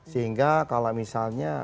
sehingga kalau misalnya